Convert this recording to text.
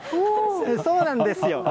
そうなんですよ。